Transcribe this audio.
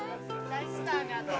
大スターが。